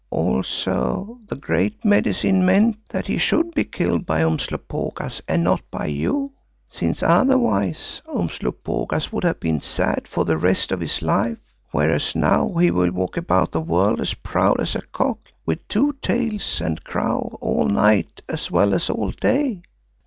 Also the Great Medicine meant that he should be killed by Umslopogaas and not by you, since otherwise Umslopogaas would have been sad for the rest of his life, whereas now he will walk about the world as proud as a cock with two tails and crow all night as well as all day.